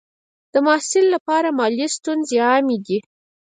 د محصل لپاره مالي ستونزې عامې دي.